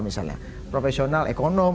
misalnya profesional ekonom